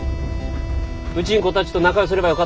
うちん子たちと仲良うすればよ